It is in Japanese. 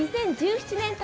２０１７年